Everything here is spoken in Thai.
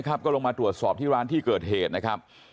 ก็ลงมาตรวจสอบที่ร้านที่เกิดเหตุนะครับ